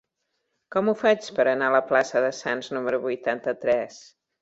Com ho faig per anar a la plaça de Sants número vuitanta-tres?